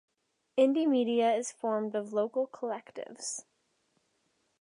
Indymedia is formed of local collectives.